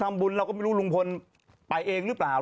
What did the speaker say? เราก็มารู้ว่าลุงพลไปเอง